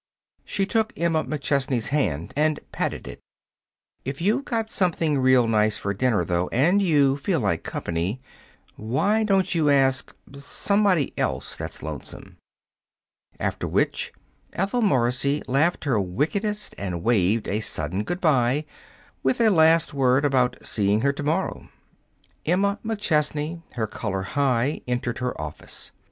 She took Emma McChesney's hand and patted it. "If you've got something real nice for dinner, though, and feel like company, why don't you ask somebody else that's lonesome." After which, Ethel Morrissey laughed her wickedest and waved a sudden good by with a last word about seeing her to morrow. Emma McChesney, her color high, entered her office.